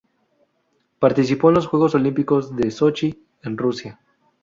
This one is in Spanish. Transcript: Participó en los Juegos Olímpicos de Sochi, en Rusia.